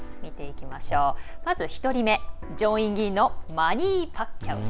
まず１人目、上院議員のマニー・パッキャオ氏。